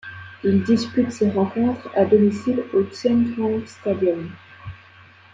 Il dispute ses rencontres à domicile au Thiên Trường Stadium.